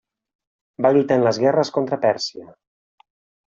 Va lluitar en les guerres contra Pèrsia.